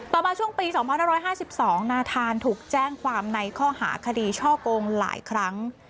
มาช่วงปี๒๕๕๒นาธานถูกแจ้งความในข้อหาคดีช่อกงหลายครั้ง